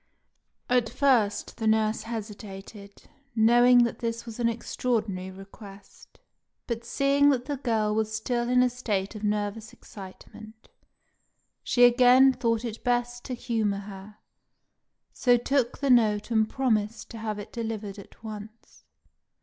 At first the nurse hesitated, knowing that this was an extraordinary request; but seeing that the girl was still in a state of nervous excitement, she again thought it best to humour her, so took the note and promised to have it delivered at once.